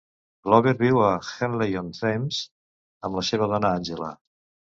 Grobler viu a Henley-on-Thames amb la seva dona Angela.